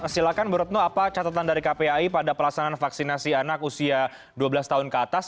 silakan bu retno apa catatan dari kpai pada pelaksanaan vaksinasi anak usia dua belas tahun ke atas